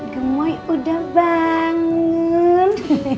gemoy udah bangun